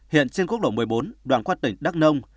hiện trên quốc lộ một mươi bốn đoàn qua tỉnh đắk nông